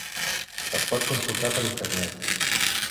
Es pot consultar per internet.